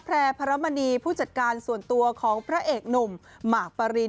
แพร่พระรมณีผู้จัดการส่วนตัวของพระเอกหนุ่มหมากปริน